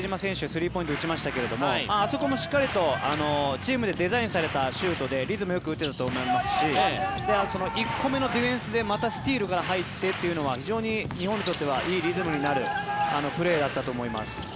スリーポイント打ちましたがあそこもしっかりとチームでデザインされたシュートでリズムよく打てていたと思いますし１個目のディフェンスでまたスチールから入ってというのは日本にとってはいいリズムになるプレーだったと思います。